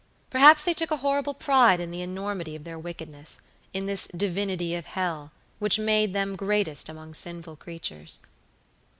Perhaps they took a horrible pride in the enormity of their wickedness; in this "Divinity of Hell," which made them greatest among sinful creatures.